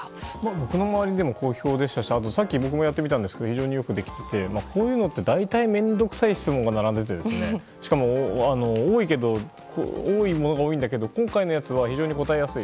僕の周りでも好評でしたし自分もやってみましたけどよくできていてこういうのって大体面倒くさい質問が並んでてしかも多いのも多いけど今回のやつは非常に答えやすい。